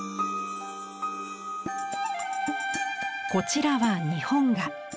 こちらは日本画。